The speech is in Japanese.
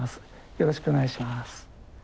よろしくお願いします。